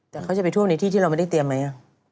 แต่เขาจะไปท่วมในที่ที่เราไม่ได้เตรียมไหม